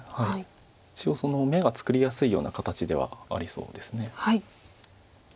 一応眼が作りやすいような形ではありそうです。